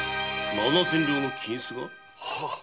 七千両の金子が。